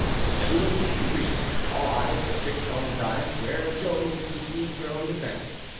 Everyone ceased to breathe, all eyes were fixed on the dais whence Joan was to speak her own defence.